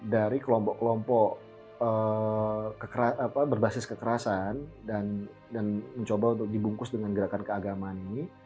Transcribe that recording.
dari kelompok kelompok berbasis kekerasan dan mencoba untuk dibungkus dengan gerakan keagamaan ini